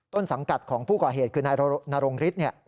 ต้นสังกัดของผู้ก่อเหตุคือนายนรงฤทธิ์